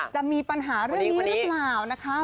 จะมีปัญหาเรื่องนี้หรือเปล่านะคะ